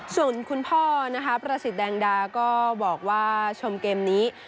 ส่วนคุณพ่อนะคะประสิทธิ์แดงดาก็บอกว่าชมเกมนี้